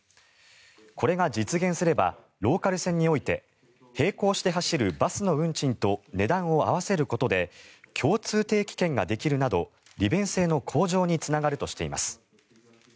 これが実現すればローカル線において並行して走るバスの運賃と値段を合わせることで共通定期券ができるなど利便性の向上につながるとしています。